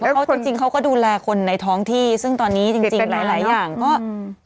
นั่นน่ะสิเพราะจริงค้าก็ดูแลคนในท้องที่ซึ่งตอนนี้จริงหลายอย่างก็ฝีดแปดมาก